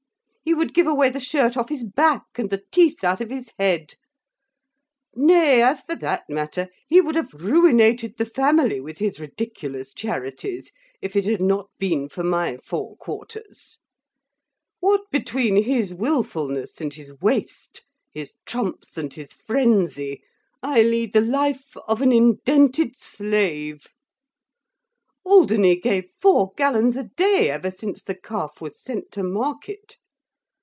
He would give away the shirt off his back, and the teeth out of his head; nay, as for that matter; he would have ruinated the family with his ridiculous charities, if it had not been for my four quarters What between his willfullness and his waste, his trumps, and his frenzy, I lead the life of an indented slave. Alderney gave four gallons a day, ever since the calf was sent to market.